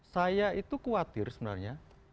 saya itu khawatir sebenarnya